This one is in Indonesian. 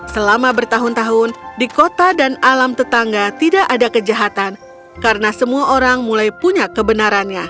selama bertahun tahun di kota dan alam tetangga tidak ada kejahatan karena semua orang mulai punya kebenarannya